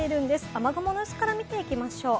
雨雲の様子から見ていきましょう。